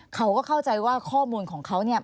เขาก็เข้าใจว่าข้อมูลของเขาเนี่ย